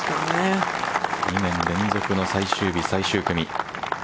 ２年連続の最終日、最終組。